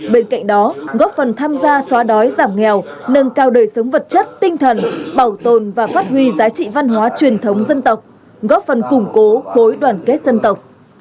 bên cạnh đó góp phần tham gia xóa đói giảm nghèo nâng cao đời sống vật chất tinh thần bảo tồn và phát huy giá trị văn hóa truyền thống dân tộc góp phần củng cố khối đoàn kết dân tộc